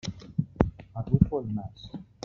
Arrufo el nas.